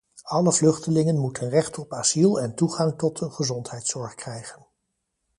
Alle vluchtelingen moeten recht op asiel en toegang tot de gezondheidszorg krijgen.